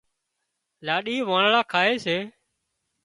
لاڏي وانۯا کائي سي